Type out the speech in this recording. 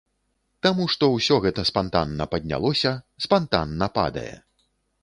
Таму што ўсё гэта спантанна паднялося, спантанна падае.